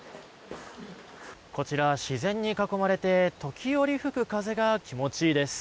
こちら自然に囲まれて時折吹く風が気持ちいいです。